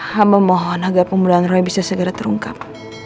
hamba mohon agar pembunuhan roy bisa segera terungkap